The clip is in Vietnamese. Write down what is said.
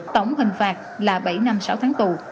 tổng hình phạt là bảy năm sáu tháng tù